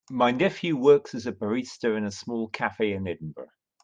My nephew works as a barista in a small cafe in Edinburgh.